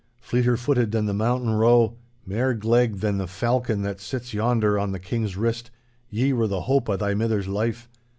Fleeter footed than the mountain roe, mair gleg than the falcon that sits yonder on the King's wrist, ye were the hope o' thy mither's life.